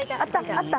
あった？